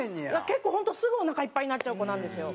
結構本当すぐおなかいっぱいになっちゃう子なんですよ。